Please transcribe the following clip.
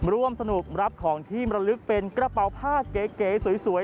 ร่วมสนุกรับของที่มรลึกเป็นกระเป๋าผ้าเก๋สวย